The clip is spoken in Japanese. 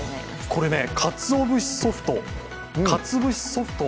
これ、かつおぶしソフト。